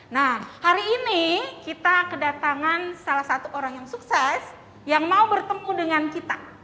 nah hari ini kita kedatangan salah satu orang yang sukses yang mau bertemu dengan kita